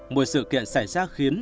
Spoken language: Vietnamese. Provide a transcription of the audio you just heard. một sự kiện xảy ra khiến